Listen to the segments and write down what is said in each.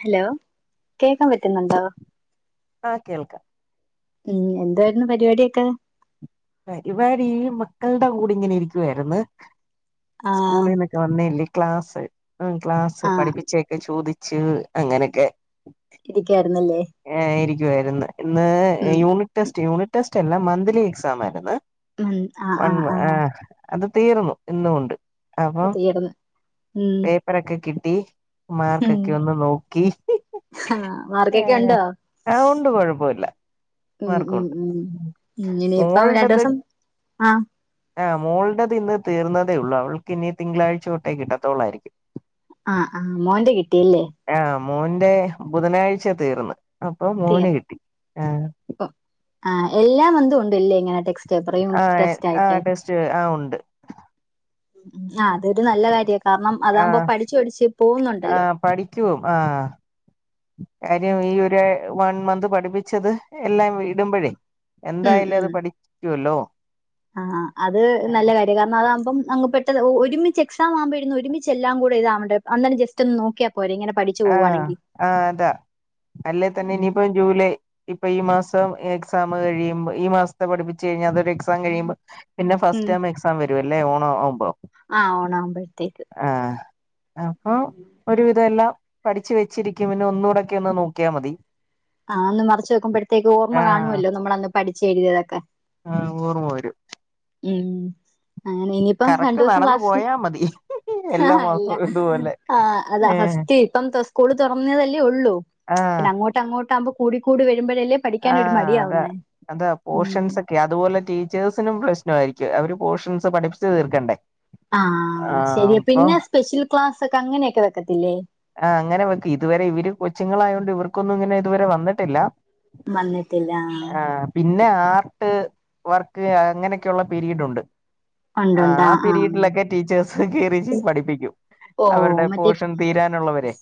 Hello കേൾക്കാൻ പറ്റുന്നുണ്ടോ ആഹ് കേൾക്കാം ഉം എന്തായിരുന്നു പരിപാടിയൊക്കെ പരിപാടി മക്കൾടെ കൂടിങ്ങനെ ഇരിക്കുവായിരുന്നു ആഹ് സ്കൂളിന്ന് വന്നയല്ലേ ക്ലാസ് ക്ലാസ്സ് ആഹ് പഠിപ്പിച്ചൊക്കെ ചോദിച്ച് അങ്ങനെയൊക്കെ ഇരിക്കായിരുന്നല്ലേ ആഹ് ഇരിക്കുവായിരുന്നു ഇന്ന് ഉം യൂണിറ്റ് ടെസ്റ്റ് യൂണിറ്റ് ടെസ്റ്റ് അല്ല മന്ത്ലി എക്സാം ആയിരുന്നു വൺ ആഹ് അത് തീർന്നു ഇന്നുകൊണ്ട് അപ്പം തീർന്ന് ഉം പേപ്പറൊക്കെ കിട്ടി ഉം മാർക്കൊക്കെ ഒന്ന് നോക്കി ആഹ് മാർക്കൊക്കെ ഏഹ് ഒണ്ടോ ആഹ് ഉണ്ട് കൊഴപ്പമില്ല ഉം ഉം മാർക്കുണ്ട് ഉം ഉം ഇന്നിനിയിപ്പ രണ്ട് മോളുടേത് ദിവസം ആഹ് ആഹ് മോളടത് ഇന്ന് തീർന്നതേ ഉള്ളൂ അവൾക്ക് ഇനി തിങ്കളാഴ്ച തൊട്ടേ കിട്ടാത്തോളായിരിക്കും ആഹ് ആഹ് മോന്റെ കിട്ടിയല്ലേ ആഹ് മോന്റെ ബുധനാഴ്ച തീർന്ന് അപ്പൊ മോന് തീർന്നു കിട്ടി ആഹ് ആഹ് എല്ലാം മന്തും ഉണ്ടല്ലേ ഇങ്ങനെ ടെക്സ്റ്റ് പേപ്പറ് ആഹ് ടെസ്റ്റ് ആയിട്ട് ആഹ് ടെസ്റ്റ് ആഹ് ഉണ്ട് ഉ ആഹ് അതൊരു നല്ല കാര്യാ കാരണം അതാകുമ്പോ ആഹ് പഠിച്ചു പഠിച്ച് പോകുന്നുണ്ട് ആഹ് പഠിക്കും ആഹ് കാര്യം ഈ ഒര് വൺ മന്ത് പഠിപ്പിച്ചത് എല്ലാം ഇടുമ്പഴേ ഉം എന്തായാലും ഉം അത് പഠിക്കുവല്ലോ ആഹ് അത് നല്ല ആഹ് കാര്യ കാരണം അതാവുമ്പം അ പെട്ട ഒരുമിച്ച് എസാം ആവുമ്പോഴന്ന് ഒരുമി എല്ലാം കൂടെ ഇതാവണ്ട അെ ജസ്റ്റ് നോക്കാ പോ ഇങ്ങന പഠ ആഹ ആഹ അതാ അല്ല തന്നെ ഇനിപ്പ ജൂലൈ ഇപ്പൊ ഈ മാസം എക്സാം കഴിയുമ്പോ ഈ മാസത്തെ പഠിപ്പിച്ചു കഴിഞ്ഞാ അതൊരു എക്സാം കഴിയുമ്പോ പിന്നെ ഫസ്റ്റ് ഉം ടേം എക്സാം വരും അല്ലേ ഓണോ ഓമ്പോ ആഹ് ഓണാകുമ്പഴത്തേക്ക് ആഹ അപ്പൊ ഒരു വിധമ എല്ലാം പഠിച്ചു വെച്ചിരിക്കും പിന്നെ ഒന്നുകൂടൊക്കെ ഒന്ന് നോക്കിയാൽ മതി ആഹ് ഒന്ന് മറച്ച്ു നെക്കുമ്പോഴത്തേക്ക് ഓർമ്മ കാണുമല്ലോ നമ്മളന്ന് പഠിച്ച എഴുതിയതൊക്കെ ആ് ഓർമ്മ വരും ഉം അങ്ങനെ ഇനിയിപ്പ രണ്ടു കറക്റ്റ് ദിവസം നടന്നു ക്ലാസ് പോയാ മതി എല്ലാ ആഹല്ല മാസവും ഇതുപോലെ ആ് അതാ ഏഹ് ഫസ്റ്റ് ഇപ്പം സ്കൂള് തുറന്നതല്ലേ ഉള്ളൂ ആഹ് അങ്ങോട്ടുമ്പോ കൂട കൂടിരുമ്പഴല്ലേ ആഹ അതാ അത ഉം പോഷൻ സ അതുപോലെ ടീേഴസിനും പ്ര്ലശ്നു ആയിരിക്കും അവര് പോർഷൻസ് പഠിപ്പിച്ച് തീർക്കണ്ടേ ആഹ ആഹ് ശരി അപ്പൊ പിന്നെ സ്പെഷ്യൽ ക്ലാസ് ഒക്കെ അങ്ങനെയൊക്കെ വെക്കത്തില്ലേ ആ അങ്ങനെ വെക്കെ ഇതുവരെ ഇവര് കൊച്ചുങ്ങളായൊണ്ട് ഇവർക്കൊന്നും ഇങ്ങനെ ഇതുവരെ വന്നിട്ടില്ല മല്ല ആ പിന്നെ ആർട്ട് വർക്ക് അങ്ങനെയൊക്കെയള്ള പീരീഡ് ഉണ്ട് ആ ഉണ്ടുണ്ട് ആ ആഹ് ആഹ് പിീരീഡിലൊക്കെ ടീച്ചേഴ്സ് കയറി പഠിപ്പിക്കും ഓ അവരുടെ മറ്റേ പോഷം തീരാനുള്ളവരെ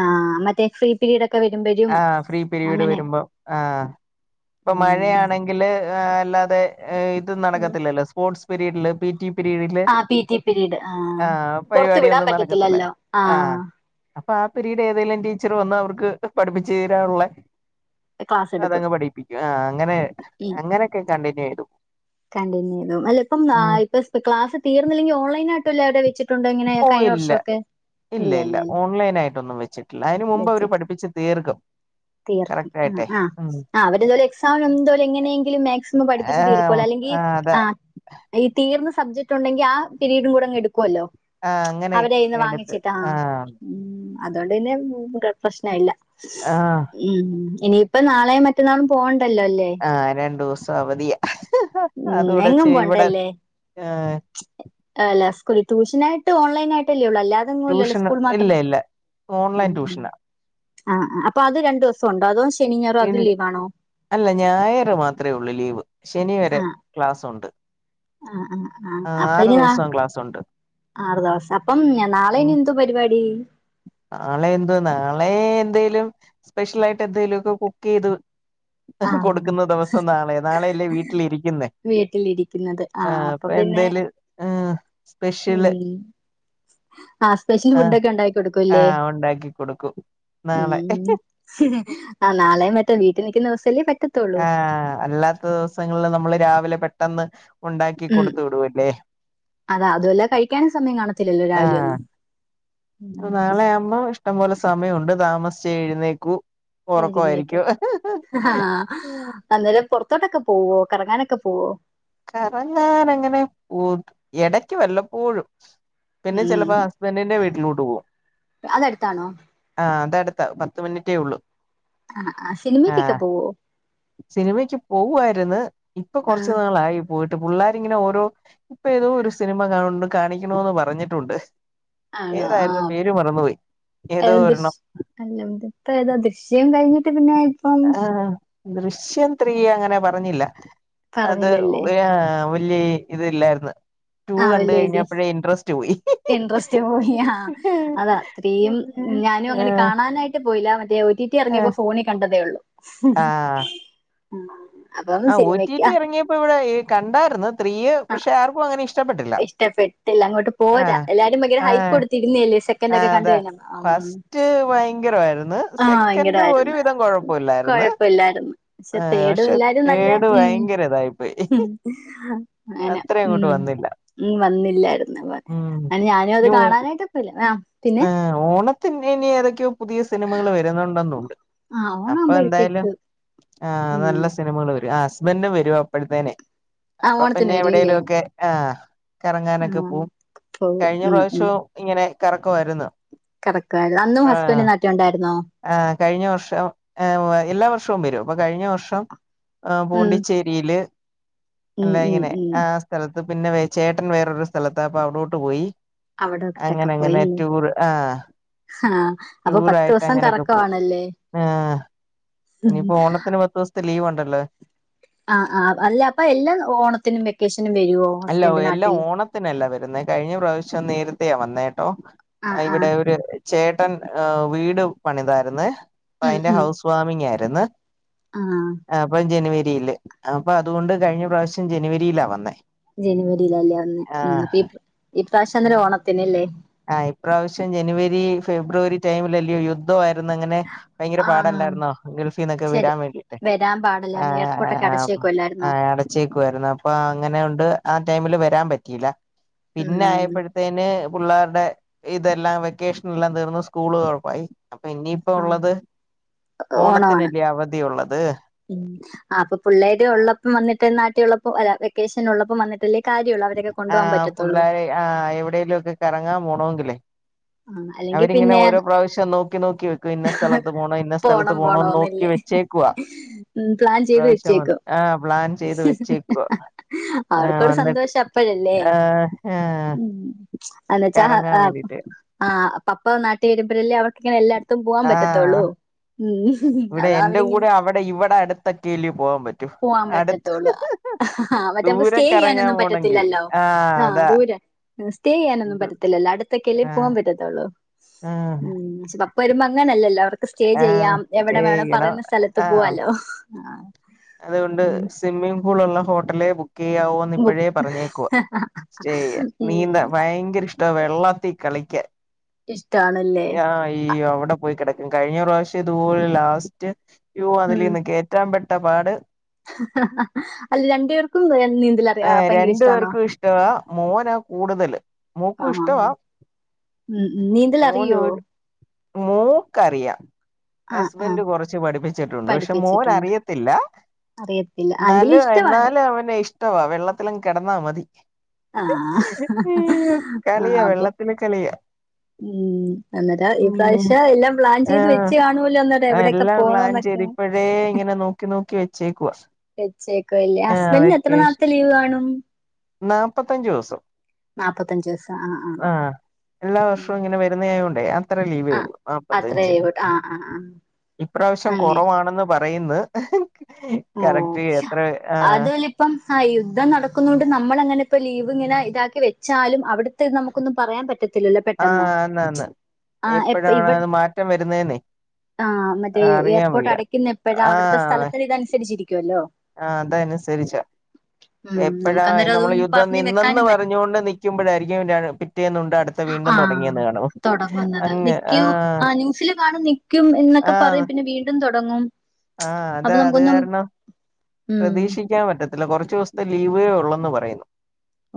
ആഹ് മറ്റേ ഫ്രീ പിരീഡ് ഒക്കെ വരുമ്പഴും ആഹ് ഫ്രീ പീരീഡ് അങ്ങനെ വരുമ്പോ ആഹ് ഇപ്പൊ ഉം മഴയാണെങ്കില് അല്ലാതെ ഇത് നടക്കത്തില്ലല്ലോ സ്പോർട്സ് പീരീഡില് പിറ്റി പിരീഡില് ആഹ് പി ടി പിരീഡ് ആഹ് പുറത്ത് വിടാൻ പരിപാടിയൊന്നും നടക്കത്തില്ല പറ്റത്തില്ലല്ലോ ആഹ് അപ്പൊ ആ പ പിരീഡ് ഏതെങ്കിലും ടീച്ചർ വന്ന് അവർക്ക് പഠിപ്പിച്ച് തീരാനുള്ള ക്ലാസ് എടുക്കും അതങ്ങ് പഠിപ്പിക്കും ആ അങ്ങനെ അങ്ങനെയൊക്കെ കണ്ടിന്യൂ ചെയ്തു കണ്ടിന്യൂ്ും അല്ല ഇപ്പ ഇപ്പ ക്ലസ് തീർന്നില്ലെിൽ ഓൺലൈൻ ആട്ടല്ല അവടെ വെച്ചട്ട് ഓ ഇല്ല ഇല്ല ഇല്ല ഓൺലൈൻ ആയിട്ടൊന്നും വെച്ചിട്ടില്ല ല്ല അതിനന് മുമ്പ് അവര് വെച്ചിട്ട് പഠിപ്പിച്ചു തീർക്കും തീർക്കും കറക്റ്റ് ആ ആയിട്ടെ ആ ഉം ആ അവരെന്തോലും എക്സാാം എന്തോലും എങ്ങനെയെങ്കിലും മാക്സിമം പഠിപ്പിച്ച് ആഹ് തീർക്കുമല്ലോ അല്ലെങ്കിൽ ആഹ് അതാ ആ ഈ തീർന്ന സബ്ജെക്ട് ഉണ്ടെങ്കിൽ ആ പിീരീഡും കൂടെ അങ്ങ് എടുക്കുവല്ലോ ആ അങ്ങനെ എടുത്ത് ആഹ ഉ അതുകൊണ്ട് തന്നെ പ്രശ്നായില്ല ആഹ് ഉ ഇനി ഇപ്പൊ നാളെയും മറ്റന്നാളും പോവണ്ടല്ലോ അല്ലേ ആ രണ്ടു ദിവസം അവധിയാ ഉം അതുകൂടെച്ച ഇവിടെ ഏ ആല്ല സ്കൂ ട്യൂഷനായിയിട്ട് ഓൺൈനായിട്ട് അല്ലേ ഉള്ളൂ അല്ലാ അതങ്ങല്ലല്ലോ ട്യൂഷന് സ്കൂൾ മാത്രം ഇല്ല ഇല്ല ഉ ഓൺലൈൻ ഉ ട്യൂഷനാ ആ അപ്പൊ അത് രണ്ടു ദിവസം ഉണ്ടോ അതോ ശനിഞ്ഞാറോ അത് ഇൽ ലീവ് ആണോ അല്ല ഞായർ മാത്രമേ ഉള്ളൂ ലീവ് ശനി വരെ ക്ലാസ്സ്ഉണ്ട് ആഹ ആ ആഹ അപ്പൊ ഇനി നാ ദിവസം ക്ലാസ്സുണ്ട് ആറ് ദിവസം അപ്പം ഞാൻ നാളെ ഉം ഇനി എന്ന്തോ പരിപാടി നാളെ എന്തോ നാളെ എന്തേലും സ്പെഷ്യൽ ആയിട്ട് എന്തേലുമ ഒക്കെ കുക്ക് ചെയ്തു ആ കൊടുക്കുന്ന ദിവസം നാളെ നാളെയല്ലേ വീട്ടിലിരിക്കുന്നേ വീട്ടിലിരിക്കുന്നത് ആ ആഹ് അപ്പൊ പിന്നെ എന്തേലും ആഹ് ഉ സ്പെഷ്യല് ആഹ സ്പെഷ്യൽ ആഹ് ഫുഡൊക്കെ ഉണ്ടാക്കി കൊടുക്കല്ലേ ആഹ് ഉണ്ടാക്കി കൊടുക്കും ഉ നാളെ ആഹ് നാളെയും പറ്റെ വീട്ടിൽ നിക്കുന്ന ദിവസല്ലേ പറ്റ ആഹ അല്ലാത്ത ദിവസങ്ങളിൽ നമ്മള് രാവിലെ പെട്ടെന്ന് ഉണ്ടാക്കി ഉം കൊടുത്ത വിടുൂല്ലേ അതാ അതെല്ല കഴിക്കാനും സമയം കാണത്തില്ലല്ലോ രാവിലെ ആഹ് ഒന്നും ഉം നാളെ ആകുമ്പോ ഇഷ്ടംപോലെ സമയമുണ്ട് താമസിച്ചച്ച് എഴുന്നേക്കു ഉറക്കയിരിക്കും ഹ് ഹ് അന്നേര പുൊറത്തോട്ടൊക്കെ പോവോ കറങ്ങാനൊക്കെ പോവോ കറങ്ങാന അങ്ങനെ പോ ഇടക്ക് വല്ലപ്പോഴും പിന്നെ ഉം ചെിലപ്പോ ഹസ്ബൻറിിന്റെ വീട്ടിലോട്ട് പോവും അതടുത്താണോ ആ അതെടുത്താ പത്ത് മിനിറ്റേ ഉള്ളൂ ആ ആ സിനിമയ്ക്കൊക്കെ പോവോ സിനിമക്ക് പോവുായിരുന്നു ഇപ്പൊ ആ കുറച്ചു നാളായി പോയിട്ട് പിള്ളേരിങ്ങനെ ഓരോ ഇപ്പ തോ ഒരു സിനിമ കാ കാണിക്കണന്ന് പറഞ്ഞിട്ടുണ്ട് ആണോ ആ ഏതായിരുന്നു പേര് മറന്നുപോയി ഏതോ ഏത് ദൃശ് ഒരെണംോ അല്ല ഇതി ഇപ്പ ഏതാ ദൃശ്യം കഴിഞ്ഞിട്ട് പിന്നെ ഇപ്പം ആ ദൃശ്യം ത്രീ അങ്ങനെ പറഞ്ഞില്ല അത് പറഞ്ഞില്ലല്ലേ [unintelligible] ഇല്ലേ ഇത് ഇല്ലായിരുന്നു ൂ ആ കണ്ട വല്യ എഴുതി കഴിഞ്ഞപ്പോഴേ ഇൻട്രസ്റ്റ് ൂ ഇൻട്രസ്റ്റ് പോയി അതാ അത്രയും ഞാനും അങ്ങനെ ആഹ് കാണ ഞാനായിട്ട് പോയില്ല മറ്റേ ഒ ടി ഇറിയപ്പോ ഫോണിൽ കണ്ടതേ ഉള്ളൂ ആഹ അപ്പം ആ് ഒ ടി സിനിമയ്ക്ക് റ്റി ആ ഇറങ്ങിയപ്പോ ഇവിടെ കണ്ടായിരരുന്നു സ്ത്രീ പക്ഷെ ആർക്കും അങ്ങനെ ഇഷ്ടം ഇഷ്ടപ്പെട്ടില്ല അങ്ങോട്ട് പോരാ എല്ലാരും ഭയങ്കര ഹൈപ്പ് കൊടുത്തിരുന്നേല്ലേ ആ അതെ ഫസ്റ്റ് ഭയങ്കരമായിരുന്നു സെക്കൻഡ് ഒരുവിധം കൊഴപ്പമില്ലായിര്ന് ല്ലായിരുന്നു പക്ഷെ തേട എല്ലാരും നല്ല തേർഡ് ഉ ഭയങ്കര ഇതായിപ്പോയി അങ്ങനെ അത്ര ഉ അങ്ങോട്ട് വന്നില്ല ഉ വന്നില്ലായിരുന്നു അപ്പ അ ഞാനും അത് കാണാനായിട്ട്പ്പല്ല ആ പിന്നെ ഏ ഓണത്തിന് ഇനി ഏതൊക്കെയോ പുതിയ സിനിമകൾ വരുന്നുണ്ടെന്നുണ്ട് ആ് ഓണാവവുമ്പോഴത്തേക്ക് ആ നല്ല സിനിമകൾ വരും ആ ഹുസ്ബൻഡിനും വരും അപ്പോഴത്തേനെ ആഹ് അപ്പൊ ഓണത്തിന് പിന്നെ വരും അല്ലേ എവിടെലും ഒക്കെ ആഹ് കറങ്ങാനൊക്കെ ആഹ് പോവും പോവും കഴിഞ്ഞ ഉം ഉം പ്രാവശ്യവും ഇങ്ങനെ കറക്കമായിരുന്നു കറക്കായിരുന്നു അന്നും ഹസ്ബൻഡ് നാട്ടിൽ ഉണ്ടായിരുന്നോ ആ കഴിഞ്ഞ വർഷം ആ എല്ലാ വർഷവും വരും അപ്പൊ കഴിഞ്ഞ വർഷം ആ ഉം പൂണ്ടിച്ചേരി യില് ഉം എല്ലാം ഉം ഇങ്ങനെ ഉം ആ സ്ഥലത്ത് പിന്നെ വേ ചേട്ടൻ വേറൊരു സ്ഥലത്താ അപ്പൊ അവിടോട്ട് പോയി അവിടോട്ടൊക്കെ അങ്ങനെ അങ്ങനെ പോയില്ലേ ടൂർ ആഹ് ആഹ് അപ്പൊ പത്ത് ടൂറായിട്ട് ദിവസം അങ്ങനെയൊക്കെ പോകും കറക്കമാണല്ലേ ആ ഉം ഇനിയിപ്പോ ഓണത്തിന് പത്ത് ദിവസം ലീവ് ഉണ്ടല്ലോ ആഹ് ആഹ് അല്ല അപ്പൊ എല്ലാ ഓണത്തിനും വെക്കേഷനും വരുവോ ഹസ്ബൻഡ് നാട്ടിൽ പിന്നെയല്ല വരുന്നേ കഴിഞ്ഞ പ്രാവശ്യം നേരത്തെയാ വന്നേട്ടോ ആഹ് ആഹ് ഇവിടെ ഒരു ചേ ട്ടൻ ആ വീട് പണിതായിരുന്നേ അപ്പൊ ഉം അതിന്റെ ഉം ഹൗസ് വാമിംഗ് ആയിരുന്ന് ആഹ് ആ അപ്പം ജനുവരിയിയില് അപ്പൊ അതുകൊണ്ട് കഴിഞ്ഞ പ്രാവശ്യം ജനുവരിയിലാ വന്നേ ജനുവരിയിലല്ലേ വന്നേ ഉം ആഹ് അപ്പൊ ഈ ഇപ്രാവശ്യം എന്തായാലും ഓണത്തിന്ല്ലേ ആ ഇപ്രാവശ്യം ജനുവരി ഫെബ്രുവരി ടൈമിൽല്ലോ യുദ്ധ ദ്ധം ആരുന്നു അങ്ങനെ ഭയങ്കര ആഹ് പാടല്ലായിരുന്നോ ഗൾഫിൽ നിന്നൊക്കെ ശരി വരാൻ വേണ്ടിട്ട് വരാൻ പാടില്ലായിരുന്നു ആഹ് എയർപോർട്ടൊക്കെ അഹ് ആ അടച്ചേക്കുവല്ലായിരുന്നോ ആടെ ച്ചേക്കുവായിരുന്നു അപ്പൊ അങ്ങനാണ്ട് ആ ടൈമില് വരാൻ പറ്റിയില്ല പിന്നെ ഉം ആയപ്പോഴ്ത്തേന് പിള്ളേരുടെ ഇതെല്ലാം വെക്കേഷൻ എല്ലാം തീർന്നു സ്കൂള് കുഴപ്പായി അപ്പൊ ഇനി ഇപ്പൊ ആഹ് ഉള്ളത് ഓണത്തിനല്ലേ അവധി ഉള്ളത് ആ അപ്പൊ പുള്ളേര് ഉള്ളപ്പം വന്നിട്ട് നാട്ടി ഉള്ളപ്പോ വെക്കേഷൻ ഉള്ളപ്പോ വന്നിട്ട് അപ്പൊല്ലേ കാര്യള്ളെ ആ പിള്ളേരെ ആ എവിടെലും ഒക്കെ കറങ്ങാൻ പോണമെങ്കിലേ ആഹ് അല്ലെങ്കി അവരിങ്ങനെ പിന്നെ ഓരോ പ്രാവശ്യം നോക്കി നോക്കി വെക്കും ഇന്ന സ്ഥലത്ത് പോണോ ഇന്ന സ്ഥലത്ത് പോണം പോണോന്ന് നോക്കി പോണോന്നില്ലേ വെച്ചേ ക്കുവാ ഉം പ്ലാൻ ചെയ്ത് ഇപ്രാവശ്യം വ വെച്ചേക്കും ആ പ്ലാൻ ചെയ്ത് വെച്ചേക്കുവ ആ അവർക്കൊരു വന്നിട്ട് സന്തോഷം അപ്പഴല്ലേ ആ ആ ഉം എന്നുവെച്ചാ കറങ്ങാൻ ആഹ് വേണ്ടിട്ട് ആഹ് പപ്പ നാട്ടി വരുമ്പോഴല്ലേ അവർക്കിങ്ങനെ എല്ലായിടത്തും പോവാാൻ ആ പറ്റത്തുള്ളൂ ഉം ഇവിടെ അതാ എന്റെ അവരിങ്ങനെ കൂടെ അവിടെ ഇവിടെ അടുത്തൊക്കെയില്ലേ പോകാൻ പറ്റു പോവാൻ റ്റു അടുത്ത് പറ്റത്തുള്ളൂ അഹ ആ ഹ മറ്റേ നമുക്ക് ദൂരെ സ്റ്റേ കറങ്ങാൻ ചെയ്യാനൊന്നും പോണങ്കിൽ പറ്റത്തില്ലല്ലോ ആഹ് ആ അതാ ദൂരെ സ്റ്റേ ചെയ്യാനൊന്നും പറ്റത്തില്ലല്ലോ അടുത്തൊക്കെല്ലേ ആഹ് പോകാൻ പറ്റത്തുള്ളൂ ആഹ് ഉം വരുമ്പോ അങ്ങനെല്ലല്ലോ അവർക്ക് സ്റ്റേ ആഹ് ചെയ്യാം എവിടെ സ്റ്റേ വേണ ചെയ്യണം പറയുന്ന സ്ഥലത്ത് ആഹ് പോവാാലോ ആ അതുകൊണ്ട് ഉം സ്വിമ്മിംഗ് പൂൾ ഉള്ള ഹോട്ടലെ ബുക്ക് ക്കെയാവൊന്ന് ഉം ഇപ്പോഴേ പറഞ്ഞേക്കുവാ സ്റ്റെ ചെയ്യാൻ ഉം, നീന്താ ഭയങ്കര ഇഷ് ആ വെള്ളത്തി കളിക്കാൻ ഇഷ്ടണല്ലേ ആ ഈ അവിടെ പോയി കിടക്ക കഴിഞ്ഞ പ്രാവശ്യം ഇതുപോലെ ലാസ്റ്റ് അതിൽന്ന് കയറ്റാൻ പെട്ട പാട് ആഹ ഹ അല്ല രണ്ടു പേർക്കും നീന്തലറിയ ആ ഏഹ് ഭയങ്കര രണ്ടു ഇഷ്ടമാണോ പേർക്കും ഇഷ്ടവാ മോനാ കൂടുതല് ആ മോക്കും ആ ആ. ഇഷ്ടവാ ഉം നീന്ത മോനൊര് മോക്കറിയ ആ ആ ഹസ്ബൻഡ് കുറച്ച് പഠിപ്പിച്ചിട്ടുണ്ട് പക്ഷെ മോൻ പഠിപ്പിച്ചിട്ടുണ്ട് അറിയത്തില്ല അറിയത്തില്ല ആ, എങ്കിലും എന്നാലും ഇഷ്ടമാണ് എന്നാലും അവന് ഇഷ്ടവാ വെള്ളത്തിലും കിടന്നാ മതി ആ അയ്യോ ആ കളിയാ അപ്പൊ വെള്ളത്തില് കളിയാ ഉം അന്നേരം ഈ ഉം പ്രാവശ്യം എല്ലാം പ്ലാൻ ചെയ്ത് ആഹ് വെച്ച് കാണൂല്ലോ അന്നേരം എവിടെയൊക്കെ പോണ എന്നൊക്കെ ക്ക് നോക്കി വെച്ചേക്കുവാ വെച്ചേക്കല്ലേ ആഹ് ഹസ്ബൻഡന് എത്ര നാളത്തെ ലീവ് കാണും നാല്പ്പത്തഞ്ചു ദിവസം നാപ്പത്തഞ്ച് വയസ ആഹ് ആഹ് ആഹ് എല്ലാ വർഷവും ഇങ്ങനെ വരുന്ന ആയകൊണ്ടേ അത്ര ലീവേ ആ ഉള്ളു അത്രേ നാപ്പത്തഞ്ച് ലീവ്ട്ടു ആ ആ ആ ഇപ്രാവശ്യം അങ്ങനെ കുറവാണെന്ന് പറയുന്നു ഓ കറക്റ്റ് എത്ര ആ അതുവല്ല ഇപ്പം ആ യുദ്ം നടക്കുന്ന കൊണ്ട് നമ്മളങ്ങനെ ഇപ്പ ലീവ് ഇങ്ങനെ ഇതാക്കി വെച്ചാലും അവിടുത്തെ നമുക്കൊന്നും പറയാൻ പറ്റത്തില്ല ആഹ അന്നന്ന് എപ്പഴാണോ അത് മാറ്റം വരുന്നതെന്നെ ആഹ മറ്റേ എയർപോർട്ട് അടയ്ക്കുന്ന എപ്പോഴാ അവിടുത്തെ സ്ഥലത്തിന് ഇതനുസരിച്ചിരിക്കുവല്ലോ ആഹ അതനുസരിച്ചാ ഉം എപ്പോഴാ നമുക്ക് അന്നേരം നമ്മൾ അതൊന്നും യുദ്ധം പറഞ്ഞു നിന്നെന്ന് വെക്കാനും പറ്റ പറഞ്ഞൊണ്ട് നിൽക്കുമ്പോഴായിരിക്കും [unintelligible] [unintelligible] അടുത്ത വീണ്ടും ആഹ് തുടങ്ങിയന്ന് കാണോ തൊടങ്ങുന്നത് അങ്ങ് നിക്കും ആഹ് ആ ന്യൂസില് [unintelligible] എന്നൊക്കെ പറയും പിന്നെ വീണ്ടും തുടങ്ങും ആഹ അതാ അത് കാരണം ഉം പ്രതീക്ഷിക്കാൻ പറ്റത്തില്ല കുറച്ച് ദിവസത്തെ ലീവേ ഉള്ളന്ന് പറയുന്നു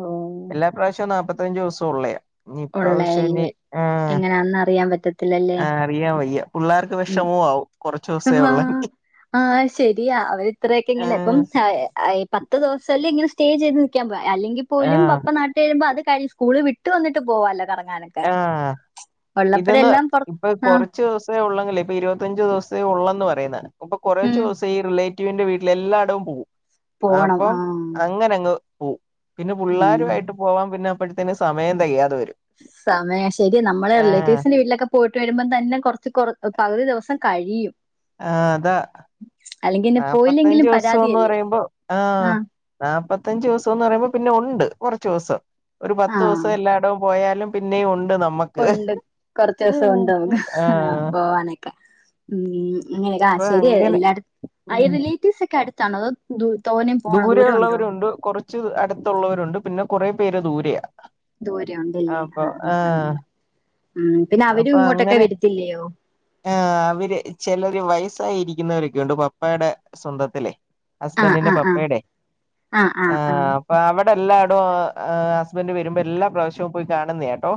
ഓഹ് എല്ലാ പ്രാവശ്യവും നാല്പ്പത്തഞ്ചു ദിവസം ഉള്ളയാ ഇപ്രാവശ്യംനി കൊള്ളയല്ലേ ആ എങ്ങനാന്ന് അറിയാൻ പറ്റത്തില്ലല്ലേ അറിയാൻ വയ്യ പിള്ളേർക്ക് ഉം വിഷമവും ആവും കുറച്ച ദിവസേ ഉള്ളങ്കി ആഹ ശരിയാ അവരിത്രയൊക്കെ ഇങ്ങനെ ഇപ്പം ആഹ് പത്ത് ദിവസം സ്റ്റേ ചെയ്ത് നിൽക്കാൻ അല്ലങ്ക പോലും പപ്പ ആഹ് നാട്ടിൽ വരുമ്പോ അത് ക സ്കൂള് വിട്ട് വന്നട്ട് ഇട്ട് പോല്ലോ കറങ്ങാനൻ ആ ഇതൊന്ന് പൊറ ഇപ്പൊ ആഹ് കൊറച്ച് ദിവസം ഉള്ളെങ്കിലെ ഇ ഇരുപത്തഞ്ച് ദിവസേ ഉള്ളന്ന് പറയുന്ന് അപ്പൊ കുറച്ച് ഉം ദിവസം ഈ റില്ലേറ്റീവ്സിൻ്റെ റ്റുവിന്റെ വീട്ടില എല്ലായിടവും പോവും പോണം അപ്പം ആഹ് അങ്ങനെ അങ്ങ് പോവും പിന്നെ ഉം പിള്ളരുമായിട്ട് പോവാൻ പിന്നെ അപ്പഴത്തേന് സമയം തെകയാതെ വരും സമയം ശരി നമ്മള ആഹ് റിലേറ്റീവ്സിന്റെ വീട്ടിലൊക്കെ പോയിട്ട് വരുമ്പോം തന്നെ കുറച്ച് കൊ പകുതി ദിവസം കഴിയും ആഹ അതാ അല്ലെങ്കി പിന്നെ നാപ്പത്തഞ്ച പോയില്ലെങ്കിലും ദിവസംന്ന് പരാതിയല്ലേ പറയുമ്പോ ആഹ ആഹ് നാല്പ്പത്തഞ്ച ദിവസംന്ന് പറയുമ്പോ പിന്നെ ഉണ്ട് കുറച്ച് ദിവസം ഒരു പത്ത് ആഹ് ദിവസം എല്ലായിടവും പോയാലും പിന്നെയ ഉണ്ട് നമുക്ക് ഉണ്ട് കൊറച്ച ദിവസം ഉണ്ടാവക ആ ആഹ് പോവാനൊക്കെ ഉം അങ്ങനെയൊക്കെ അപ്പൊ ശരി അങ്ങനെ എല്ലായിടും ആ ഉം റിലേറ്റീവ്സ് ഒക്കെ അടുത്താണതോ തോന്നയും പോണോ ദൂരണ്ടോ ണ്ട് കുറച്ച് കുറച്ച് അടുത്തുള്ളവരുണ്ട് പിന്നെ കുറ പേര് ദൂരെയ ദൂരെ ഉണ്ടല്ലേ ആഹ ആഹ ഹ അപ്പൊ അങ്ങനെ ആഹ് അവര് ചിലര് വയസ്സായി ഇരിക്കുന്നവരൊക്കെണ്ട് പപ്പയുടെ സ്വന്തത്തിലെ ആഹ് ഹസ്ബൻറിന്റെ ആഹ് ആഹ് പപ്പയുടെ ആഹ് ആ ആഹ് ആഹ് അപ്പ അവിടെ അവിടെ എല്ലാടും ഹസ്ബൻ്റ് വരുമ്പോ എല്ലാ പ്രാവശ്യവും പോയി കാണുന്നത കേട്ടോ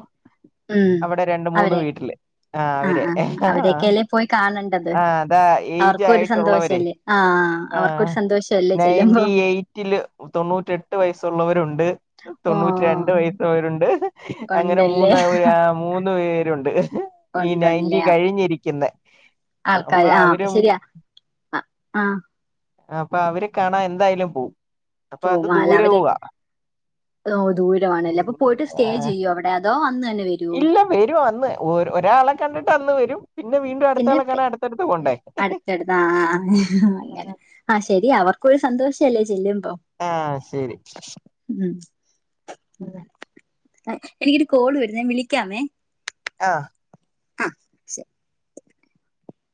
ഉം അവിടെ രണ്ട് മൂന്ന് വീട്ടില് ആഹ് ആ അവര് ആ ആഹ് അവരൊക്കെയല്ലേ പോയി കാണണ്ടത് അതാ ഏജ് അവർക്കും ഒരു ആയിട്ടുള്ളവരെ സന്തോഷല്ലേ ആഹ് ആഹ് അവർക്കൊരു സന്തോഷം നയന്റി എയ്റ്റില് തൊണ്ണൂറ്റെട്ട് വയസ്സുള്ളവരുണ്ട് ഓ തൊണ്ണൂറ്റി രണ്ട് വയസായവരുണ്ട് അങ്ങനെ കൊണ്ടല്ലേ മൂന്ന് മൂന്ന് പേരുണ്ട് ഈ നയന്റി കൊണ്ടല്ലേ കഴിഞ്ഞിരിക്കുന്നെ ആ വി അപ്പൊ ശരിയാ ആഹ് ആ അപ്പൊ അവര് കാണാ എന്തായാലും പോവും അപ്പൊ അത് പൂമാല ദൂരെ അവരെ പോവാ ഓ ദൂരമാണല്ലേ അപ്പൊ പോയിട്ട് സ്റ്റേ ചെയ്യൂ അവിടെ അതോ അന്ന് തന്നെ വര് ഇല്ല വരും അന്ന് ഒ ഒരാളെ കണ്ടിട്ട് അന്ന് വരും. പിന്നെ വീണ്ടും അടുത്ത ആളെ പിന്നെപപ്പെ കാണാൻ അടുത്തടുത്ത് പോണ്ടേ അടുത്തടുത്ത് ആ ആ അങ്ങനെഹ് ആഹ് ശരിയ അവർക്കൊരു സന്തോഷല്ലേ ചെല്ലുമ്പൊ. ആഹ് ശരി ഉം എനിക്കൊരു കോള് വരുന്നെ വിളിക്കാം ആഹ് ശരി